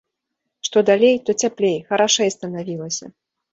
Што далей, то цяплей, харашэй станавілася.